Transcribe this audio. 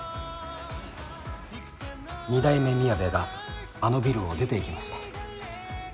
二代目みやべがあのビルを出ていきました。